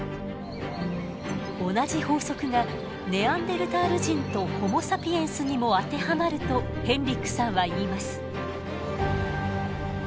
同じ法則がネアンデルタール人とホモ・サピエンスにも当てはまるとヘンリックさんは言います。